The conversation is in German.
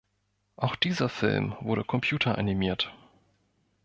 Auch dieser Film wurde computeranimiert.